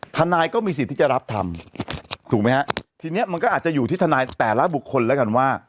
ทนายก็มีสิทธิ์ที่จะรับทำถูกไหมฮะทีนี้มันก็อาจจะอยู่ที่ทนายแต่ละบุคคลแล้วกันว่า